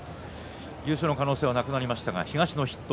優勝の可能性はなくなりましたが東の筆頭。